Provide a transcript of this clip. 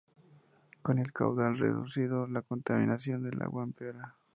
Con el caudal reducido, la contaminación del agua empeora.